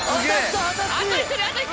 あと１人あと１人！